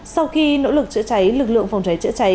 sau khi nỗ lực chữa cháy lực lượng phòng cháy chữa cháy